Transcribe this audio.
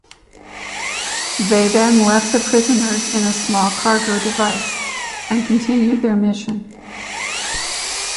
They then left the prisoners in a small cargo device and continued their mission.